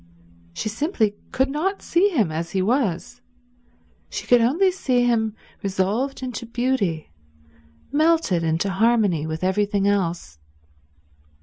She simply could not see him as he was. She could only see him resolved into beauty, melted into harmony with everything else.